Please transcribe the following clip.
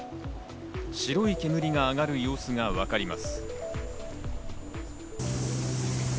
白い煙が上がる様子が分かります。